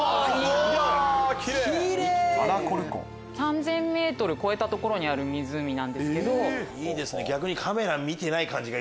３０００ｍ超えた所にある湖なんですけど。